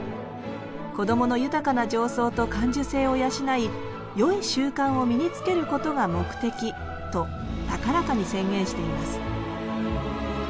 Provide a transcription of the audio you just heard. こどもの豊かな情操と感受性を養いよい習慣を身につけることが目的」と高らかに宣言しています